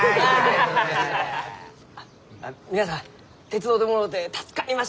皆さん手伝うてもろうて助かりました！